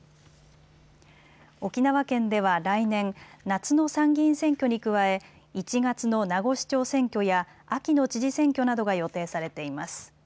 沖縄県では来年、夏の参議院選挙に加え１月の名護市長選挙や秋の知事選挙などが予定されています。